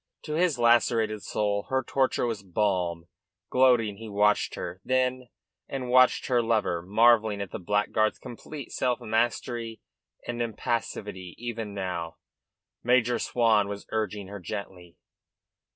To his lacerated soul her torture was a balm. Gloating, he watched her, then, and watched her lover, marvelling at the blackguard's complete self mastery and impassivity even now. Major Swan was urging her gently.